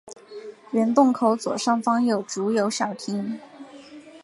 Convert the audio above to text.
原洞口左上方有竹有小亭。